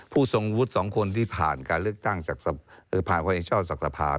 ผู้สงวุฒิสองคนที่ผ่านการเลือกตั้งผ่านการเองเช่าศักดิ์ภาพ